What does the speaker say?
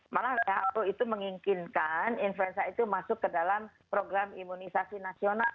malah who itu menginginkan influenza itu masuk ke dalam program imunisasi nasional